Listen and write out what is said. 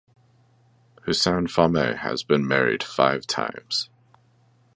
Hussein Fahmy has been married five times.